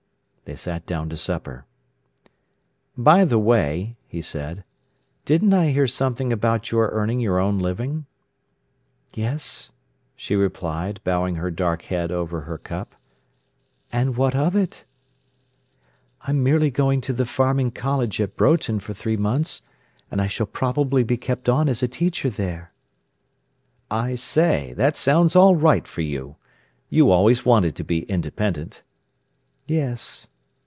They sat down to supper. "By the way," he said, "didn't I hear something about your earning your own living?" "Yes," she replied, bowing her dark head over her cup. "And what of it?" "I'm merely going to the farming college at Broughton for three months, and I shall probably be kept on as a teacher there." "I say—that sounds all right for you! You always wanted to be independent." "Yes.